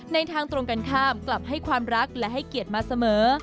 ในทางตรงกันข้ามกลับให้ความรักและให้เกียรติมาเสมอ